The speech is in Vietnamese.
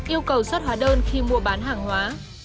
yêu cầu xuất hóa đơn khi mua bán hàng hóa